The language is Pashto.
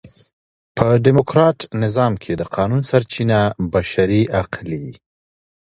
په ډیموکراټ نظام کښي د قانون سرچینه بشري عقل يي.